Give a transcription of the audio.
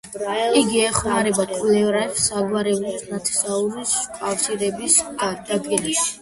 იგი ეხმარება მკვლევარებს საგვარეულოს ნათესაური კავშირების დადგენაში.